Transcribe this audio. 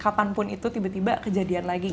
kapanpun itu tiba tiba kejadian lagi